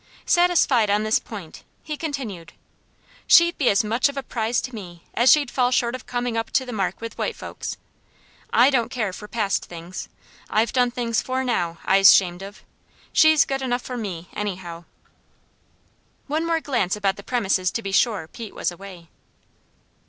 Satisfied on this point, he continued: "She'd be as much of a prize to me as she'd fall short of coming up to the mark with white folks. I don't care for past things. I've done things 'fore now I's 'shamed of. She's good enough for me, any how." One more glance about the premises to be sure Pete was away.